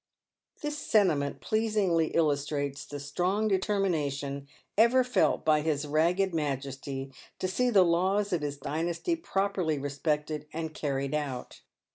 This sentiment pleasingly illustrates the strong determination ever felt by his ragged majesty to see 'the laws of his dynasty properly respected and carried out.